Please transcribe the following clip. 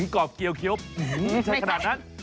กรอบเกี่ยวใช่ขนาดนั้น